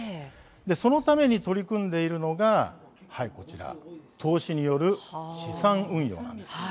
そのために取り組んでいるのが投資による資産運用なんです。